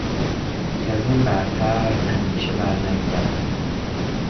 کزین برتر اندیشه بر نگذرد